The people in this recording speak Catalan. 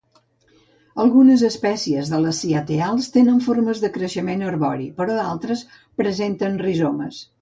Algunes espècies de les ciateals tenen formes de creixement arbori, però altres presenten rizomes.